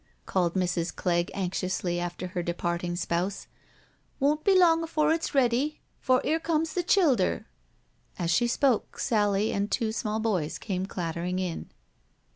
called Mrs. Clegg anxiously after her departing spouse: "won't be long afoor it's ready, for 'ere come the childher." As she spoke, Sally and two small boys came clattering in.